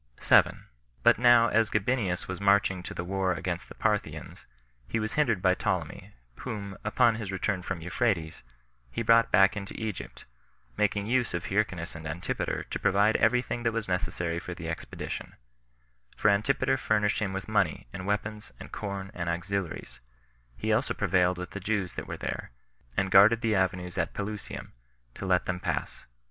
7. But now as Gabinius was marching to the war against the Parthians, he was hindered by Ptolemy, whom, upon his return from Euphrates, he brought back into Egypt, making use of Hyrcanus and Antipater to provide every thing that was necessary for this expedition; for Antipater furnished him with money, and weapons, and corn, and auxiliaries; he also prevailed with the Jews that were there, and guarded the avenues at Pelusium, to let them pass.